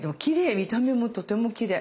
見た目もとてもきれい。